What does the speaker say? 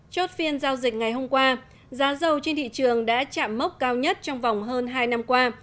chốt phiên giao dịch ngày hôm qua giá dầu trên thị trường đã chạm mốc cao nhất trong vòng hơn hai năm qua